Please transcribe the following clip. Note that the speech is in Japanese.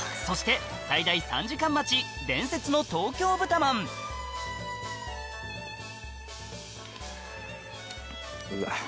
そして最大３時間待ち伝説の東京豚饅うわ。